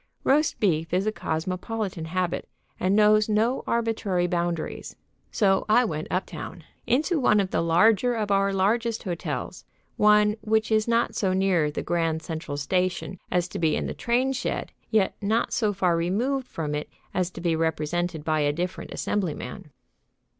Roast beef is a cosmopolitan habit, and knows no arbitrary boundaries; so I went uptown. Into one of the larger of our largest hotels, one which is not so near the Grand Central Station as to be in the train shed, and yet not so far removed from it as to be represented by a different Assemblyman.